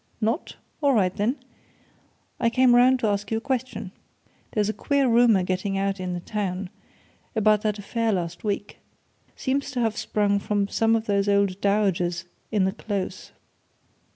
"Not? All right, then I came round to ask you a question. There's a queer rumour getting out in the town, about that affair last week. Seems to have sprung from some of those old dowagers in the Close."